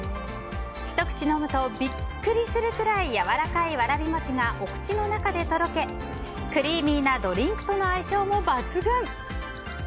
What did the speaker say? ひと口飲むとビックリするくらいやわらかいわらびもちがお口の中でとろけクリーミーなドリンクとの相性も抜群。